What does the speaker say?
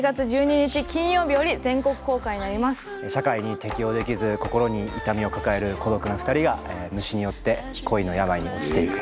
社会に適応できず心に痛みを抱える孤独な２人が虫によって恋の病に落ちて行く。